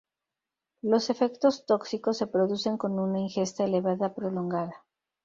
Los efectos tóxicos se producen con una ingesta elevada prolongada.